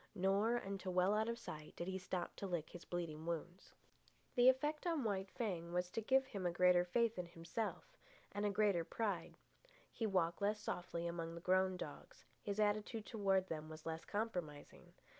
Nor, until well out of sight, did he stop to lick his bleeding wounds. The effect on White Fang was to give him a greater faith in himself, and a greater pride. He walked less softly among the grown dogs; his attitude toward them was less compromising.